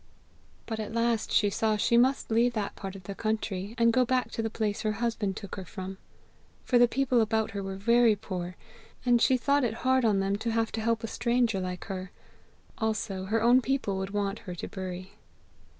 "But at last she saw she must leave that part of the country, and go back to the place her husband took her from. For the people about her were very poor, and she thought it hard on them to have to help a stranger like her; also her own people would want her to bury.